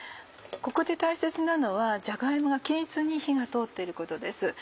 ここで大切なのはじゃが芋が均一に火が通ってることです。